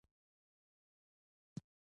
بیان ازادي مسوولیت لري